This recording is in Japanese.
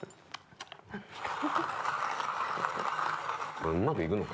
これうまくいくの？